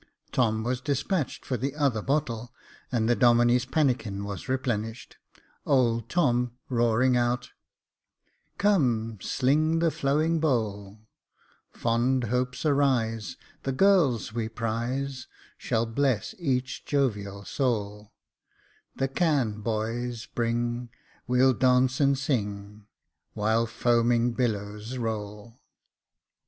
Tom was despatched for the other bottle, and the Domine's pannikin was replenished, old Tom roaring out —" Come, sling the flowing bowl ; Fond hopes arise, The girls we prize Shall bless each jovial soul : The can, boys, bring, We'll dance and sing, While foaming billows roll.